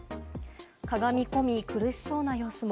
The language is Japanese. かがみ込み、苦しそうな様子も。